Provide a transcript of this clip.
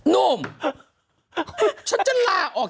นุ่มฉันจะลาออกจากพิธีกร